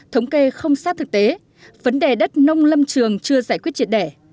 thống kê không xác thực tế vấn đề đất nông lâm trường chưa giải quyết triển đẻ